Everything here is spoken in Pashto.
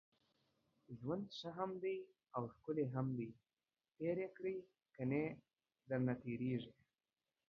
ژوند ښه هم دی اوښکلی هم دی تېر يې کړئ، کني درنه تېريږي